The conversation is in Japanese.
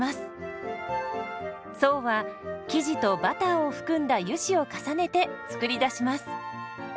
層は生地とバターを含んだ油脂を重ねて作り出します。